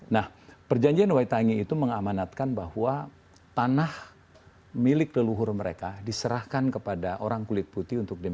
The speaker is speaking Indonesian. nah perjanjian waitangi itu mengamanatkan bahwa tanah milik leluhur mereka diserahkan kepada orang kulit putih untuk dimaksu